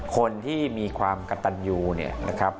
คนที่มีความกะตันอยู่นะครับ